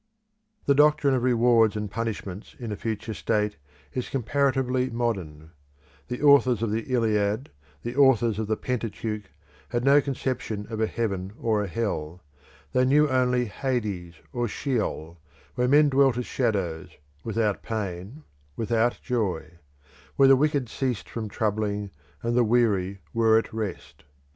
The doctrine of rewards and punishments in a future state is comparatively modern; the authors of the Iliad, the authors of the Pentateuch, had no conception of a heaven or a hell; they knew only Hades or Scheol, where men dwelt as shadows, without pain, without joy; where the wicked ceased from troubling and the weary were at rest.